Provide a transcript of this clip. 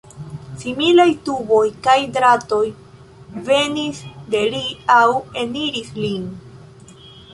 Similaj tuboj kaj dratoj venis de li aŭ eniris lin.